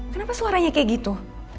kenapa suaranya kayak gitu